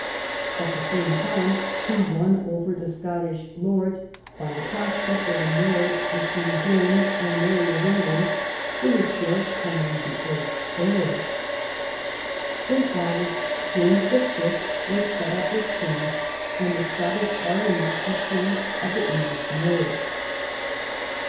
At the same time he won over the Scottish lords by the prospect of a marriage between James and Mary of Eng land, who was still Henry VHI.'s heir. In August James Y. was set up as king, and the Scottish Parlia ment approved of the English marriage.